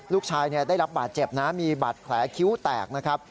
ลูกชายได้รับบาดเจ็บนะมีบาดแผลคิ้วแตกนะครับ